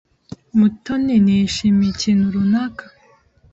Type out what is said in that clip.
Mutoni ntiyishimiye ikintu runaka?